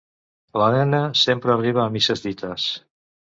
L'Elena sempre arriba a misses dites.